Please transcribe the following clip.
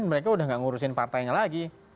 mereka sudah tidak menguruskan partainya lagi